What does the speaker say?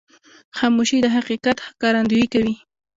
خاموشي، د حقیقت ښکارندویي کوي.